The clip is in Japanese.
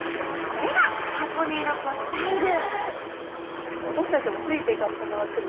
これが箱根ロコスタイル！